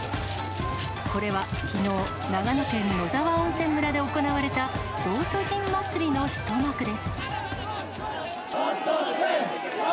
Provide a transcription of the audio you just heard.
これはきのう、長野県野沢温泉村で行われた、道祖神祭りの一幕です。